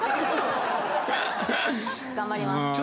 頑張ります。